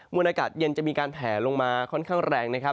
มุมอากาศเย็นจะมีการแหลงลงมา